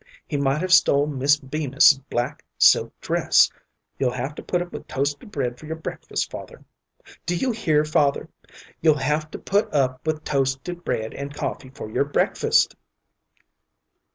He might have stole Miss Bemis's black silk dress. You'll have to put up with toasted bread for your breakfast, father. Do you hear, father? You'll have to put up with toasted bread and coffee for your breakfast."